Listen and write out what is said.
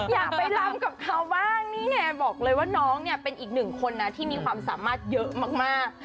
อยากไปล้ำกับเขาบ้างนี่ไงบอกเลยว่าน้องเนี่ยเป็นอีกหนึ่งคนนะที่มีความสามารถเยอะมาก